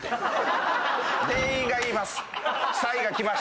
店員が言います。